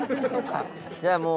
じゃあもう。